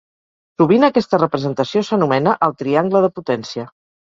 Sovint aquesta representació s'anomena el "triangle de potència".